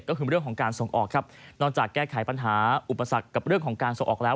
ก็คือเรื่องของการส่งออกครับนอกจากแก้ไขปัญหาอุปสรรคกับเรื่องของการส่งออกแล้ว